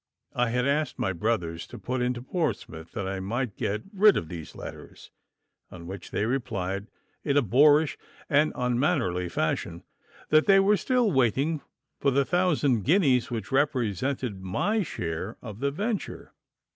I had asked my brothers to put into Portsmouth that I might get rid of these letters, on which they replied in a boorish and unmannerly fashion that they were still waiting for the thousand guineas which represented my share of the venture.